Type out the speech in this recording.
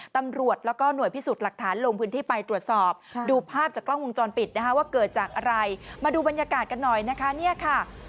ตำรวจแล้วก็หน่วยพิสูจน์หลักฐานลงพื้นที่ไปตรวจสอบดูภาพจากกล้องวงจรปิดนะคะว่าเกิดจากอะไรมาดูบรรยากาศกันหน่อยนะคะเนี่ยค่ะ